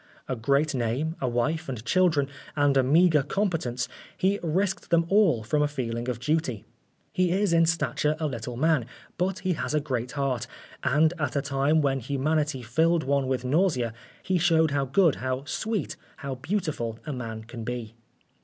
A great name, a wife and children, and a meagre competence he risked them all from a feeling of duty. He is in stature a little man, but he has a great heart ; and at a time when humanity filled one with nausea, he showed how good, how sweet, how beautiful a man can be.